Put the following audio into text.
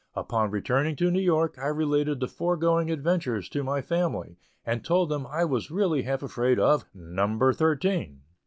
Upon returning to New York, I related the foregoing adventures to my family, and told them I was really half afraid of "number thirteen."